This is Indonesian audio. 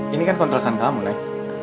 ini kan kontrakan kamu lah